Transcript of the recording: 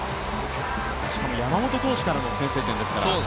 しかも山本投手からの先制ヒットですから。